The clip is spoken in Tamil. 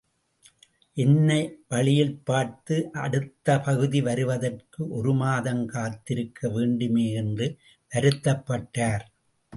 என்னை வழியில் பார்த்து அடுத்த பகுதி வருவதற்கு ஒரு மாதம் காத்திருக்க வேண்டுமே என்று வருத்தப்பட்டார்.